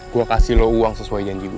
gua kasih lo uang sesuai janji gue